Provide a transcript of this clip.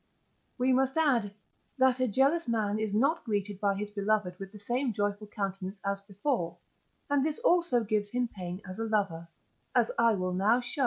We must add, that a jealous man is not greeted by his beloved with the same joyful countenance as before, and this also gives him pain as a lover, as I will now show.